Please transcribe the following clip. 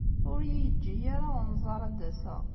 Ur iyi-yeǧǧi ara unẓar ad d-aseɣ.